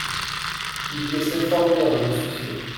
Il le sait fort bien, j’en suis sure.